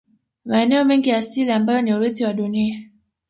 Maeneo mengi ya asili ambayo ni urithi wa dunia